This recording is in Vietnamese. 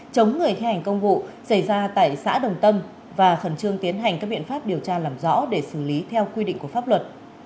chống người thi hành công vụ xảy ra tại xã đồng tâm và khẩn trương tiến hành các biện pháp điều tra làm rõ để xử lý theo quy định của pháp luật